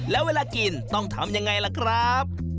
แล้วเวลากินต้องทำยังไงล่ะครับ